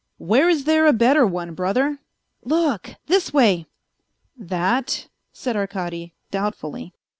" Where is there a better one, brother ?"" Look; this way." " That," said Arkady, doubtfully.